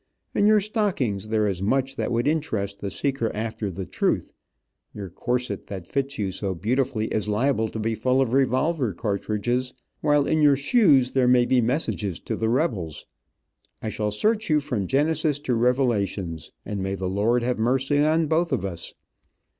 In your stockings there is much that would interest the seeker after the truth, your corset that fits you so beautifully is liable to be full of revolver cartridges, while in your shoes there may be messages to the rebels. I shall search you from Genesis to Revelations, and may the Lord have mercy on both of us.